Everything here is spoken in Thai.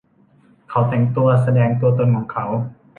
เขาแต่งตัวแสดงตัวตนของเขา